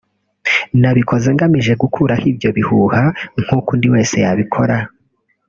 nabikoze ngamije gukuraho ibyo bihuha nk’uko undi wese yabikora